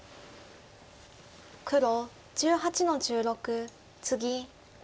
黒１８の十六ツギ。